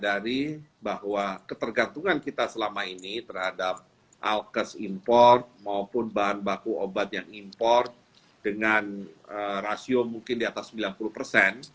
sadari bahwa ketergantungan kita selama ini terhadap alkes import maupun bahan baku obat yang import dengan rasio mungkin di atas sembilan puluh persen